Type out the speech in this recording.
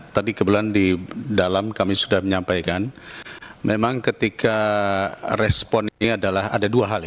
tadi kebetulan di dalam kami sudah menyampaikan memang ketika respon ini adalah ada dua hal ya